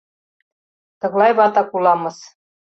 Тыглай ватак уламыс.